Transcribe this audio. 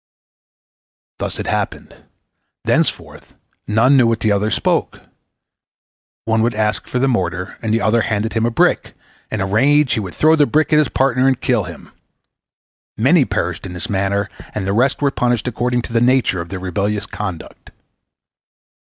Thus it happened. Thenceforth none knew what the other spoke. One would ask for the mortar, and the other handed him a brick; in a rage, he would throw the brick at his partner and kill him. Many perished in this manner, and the rest were punished according to the nature of their rebellious conduct.